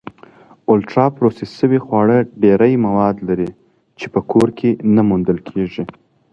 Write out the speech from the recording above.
الټرا پروسس شوي خواړه ډېری مواد لري چې په کور کې نه موندل کېږي.